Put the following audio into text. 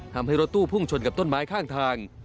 ทำให้รถตู้พุ่งชนกับต้นไม้ข้างทาง